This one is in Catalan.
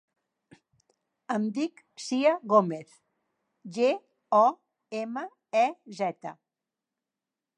Em dic Sia Gomez: ge, o, ema, e, zeta.